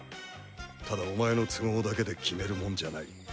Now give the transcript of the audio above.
ただお前の都合だけで決めるもんじゃない。